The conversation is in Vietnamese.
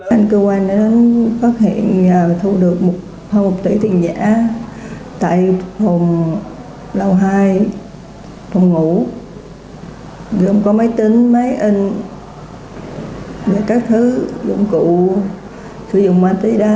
anh cơ quan đã phát hiện thu được một tỷ tình giả tại phòng lào hai phòng ngủ gồm có máy tính máy in các thứ dụng cụ sử dụng ma túy đó